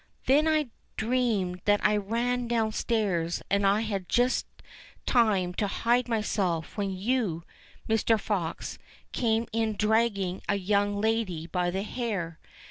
"Then I dreamed that I ran downstairs and had just time to hide myself when you, Mr. Fox, came in dragging a young lady by the hair.